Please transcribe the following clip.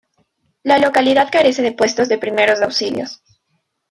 La localidad carece de puesto de primeros auxilios.